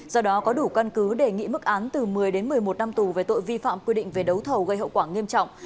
do đó có đủ căn cứ đề nghị mức án từ một mươi đến một mươi một năm tù về tội vi phạm quy định về đấu thầu gây hậu quả nghiêm trọng